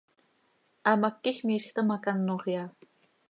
Hamác quij miizj taa ma, canoj iha.